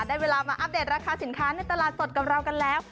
ได้เวลามาอัปเดตราคาสินค้าในตลาดสดกับเรากันแล้ว